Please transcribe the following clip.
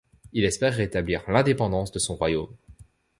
Il espère rétablir l'indépendance de son royaume.